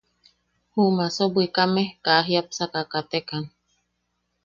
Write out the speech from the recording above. Ju maaso bwikame kaa jiapsaka katekan.